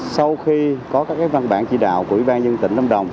sau khi có các văn bản chỉ đạo của ủy ban nhân tỉnh lâm đồng